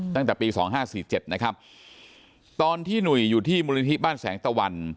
ตั้งแต่ปีสองห้าสี่เจ็ดนะครับตอนที่หนุ่ยอยู่ที่บ้านแสงตะวัน